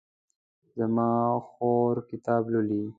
زما خور کتاب لولي